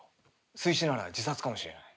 水死なら自殺かもしれない。